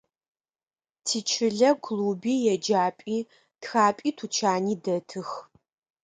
Тичылэ клуби, еджапӏи, шхапӏи, тучани дэтых.